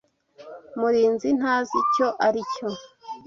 Murinzi ntazi icyo aricyo.